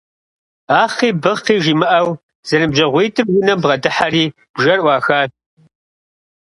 Ахъи-быхъи жамыӀэу зэныбжьэгъуитӀыр унэм бгъэдыхьэри бжэр Ӏуахащ.